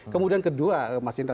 kemudian kedua mas indra